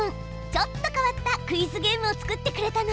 ちょっと変わったクイズゲームを作ってくれたの。